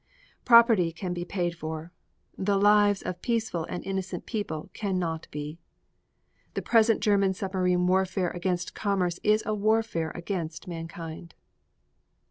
Property can be paid for; the lives of peaceful and innocent people can not be. The present German submarine warfare against commerce is a warfare against mankind.